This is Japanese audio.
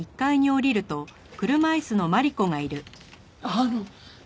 あの！